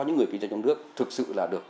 những người kinh doanh trong nước thực sự là được